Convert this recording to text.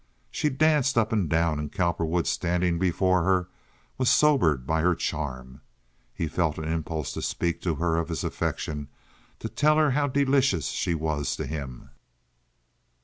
She danced up and down, and Cowperwood, standing before her, was sobered by her charm. He felt an impulse to speak to her of his affection, to tell her how delicious she was to him.